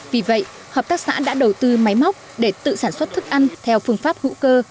vì vậy hợp tác xã đã đầu tư máy móc để tự sản xuất thức ăn theo phương pháp hữu cơ